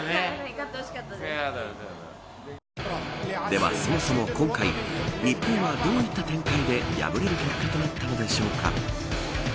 では、そもそも今回日本はどういった展開で敗れる結果となったのでしょうか。